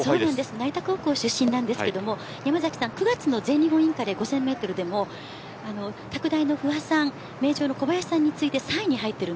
成田高校出身ですが山崎さんは９月の全日本インカレ５０００メートルでも拓大の不破さん、名城の小林さんに次いで３位です。